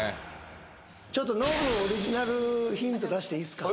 ちょっとノブオリジナルヒント出していいっすか？